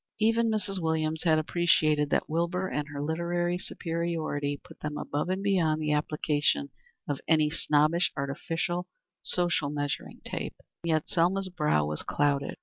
Even Mrs. Williams had appreciated that Wilbur and her literary superiority put them above and beyond the application of any snobbish, artificial, social measuring tape. And yet Selma's brow was clouded.